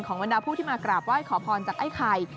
บรรดาผู้ที่มากราบไหว้ขอพรจากไอ้ไข่